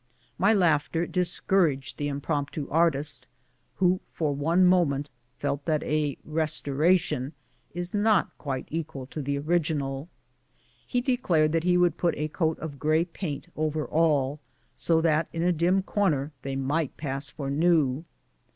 My laughter discouraged the impromp tu artist, who for one moment felt that a " restora tion " is not quite equal to the original. He declared that he would put a coat of gray paint over all, so that in a dim corner they might pass for new.